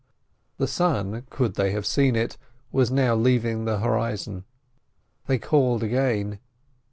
The sun, could they have seen it, was now leaving the horizon. They called again.